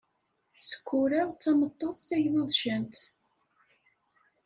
Sekkura d tameṭṭut tagdudcant.